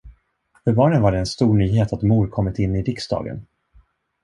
För barnen var det en stor nyhet att mor kommit in i riksdagen.